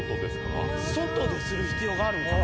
外でする必要があるんかな？